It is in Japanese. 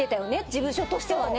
事務所としてはね